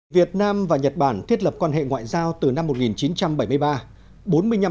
việt nam và nhật bản thiết lập quan hệ ngoại giao từ năm một nghìn chín trăm bảy mươi ba